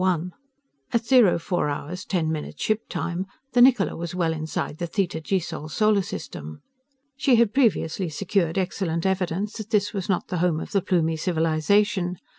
Or is it ...?_ At 04 hours 10 minutes, ship time, the Niccola was well inside the Theta Gisol solar system. She had previously secured excellent evidence that this was not the home of the Plumie civilization.